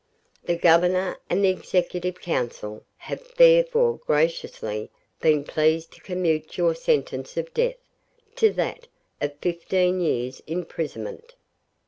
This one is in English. The Governor and the Executive Council have therefore graciously been pleased to commute your sentence of death to that of fifteen years' imprisonment.'